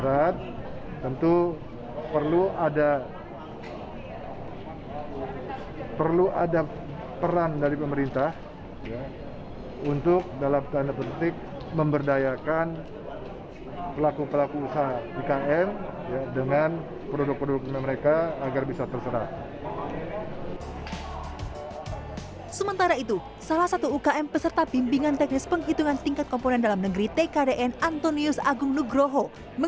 agus gumiwang juga berdialog dengan para peserta bimbingan teknis penghitungan tingkat komponen dalam negeri tkdn di lokasi yang sama